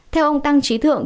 theo ông tăng trí thượng